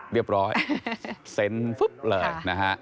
เรียบร้อยเสร็จสรรพก่อนเลย